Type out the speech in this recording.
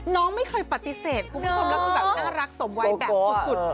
คุณผู้ชมแล้วคือแบบน่ารักสมวัยแบบสุด